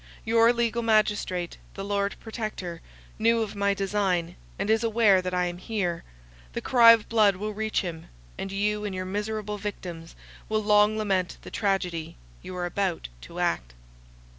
Your legal magistrate, the Lord Protector, knew of my design, and is aware that I am here; the cry of blood will reach him, and you and your miserable victims will long lament the tragedy you are about to act."